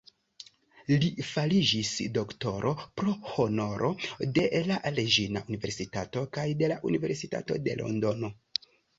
Li fariĝis doktoro pro honoro de la Reĝina Universitato kaj de Universitato de Londono.